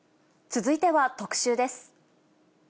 続いては特集です。